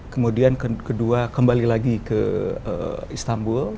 kemudian kedua kembali lagi ke istanbul